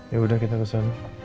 ya udah kita kesana